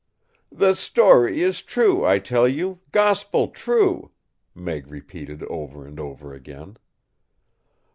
"The story is true, I tell you, gospel true," Meg repeated over and over again.